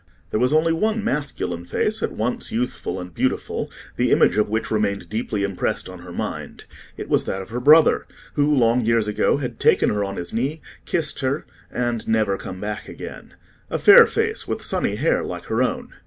There was only one masculine face, at once youthful and beautiful, the image of which remained deeply impressed on her mind: it was that of her brother, who long years ago had taken her on his knee, kissed her, and never come back again: a fair face, with sunny hair, like her own.